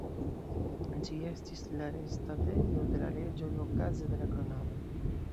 Ĝi estis la restadejo de la reĝoj okaze de la kronado.